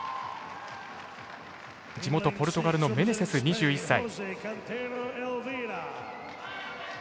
地元ポルトガルのメネセス、２１歳。